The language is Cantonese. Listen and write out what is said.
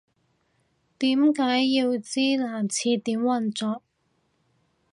點解要知男廁點運作